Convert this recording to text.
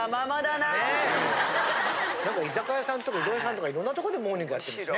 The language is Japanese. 居酒屋さんとかうどん屋さんとかいろんなとこでモーニングやってるんですね。